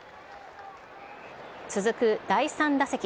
続く第３打席。